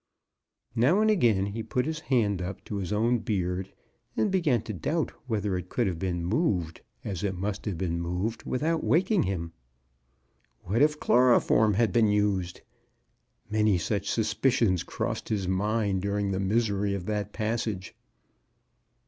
Now and again he put his hand up to his own beard, and began to doubt whether it could have been moved, as it must have been moved, without waking him. What MRS. BROWN DOES ESCAPE 65 if chloroform had been used ? Many such sus picions crossed his mind during the misery of that passage.